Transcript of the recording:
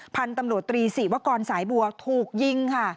พันตำรวจตรีสี่วะกรสายบัวถูกยิงค่ะ